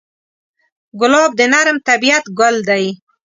ګلاب د نرم طبعیت ګل دی.